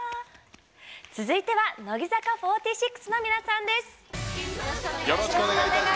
続いては乃木坂４６の皆さんです。